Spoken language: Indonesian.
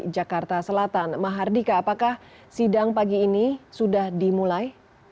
jakarta selatan mahardika apakah sidang pagi ini sudah dimulai